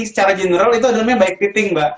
secara general itu adalah bike fitting mbak